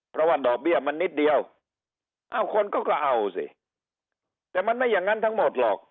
เพราะว่าดอกเบี้ยมันนิดเดียวเอ้าคนก็กระเอาสิแต่มันไม่อย่างนั้นทั้งหมดหรอก